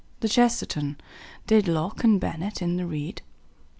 The kchesterton Did locke and bennett in the reed.